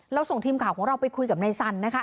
ส่งทีมข่าวของเราไปคุยกับนายสันนะคะ